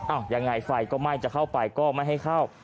ยังไงไฟก็ไหม้จะเข้าไปก็ไม่ให้เข้า